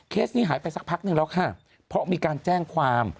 นี้หายไปสักพักนึงแล้วค่ะเพราะมีการแจ้งความ